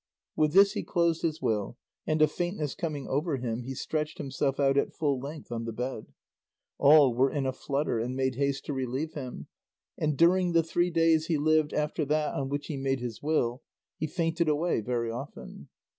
With this he closed his will, and a faintness coming over him he stretched himself out at full length on the bed. All were in a flutter and made haste to relieve him, and during the three days he lived after that on which he made his will he fainted away very often.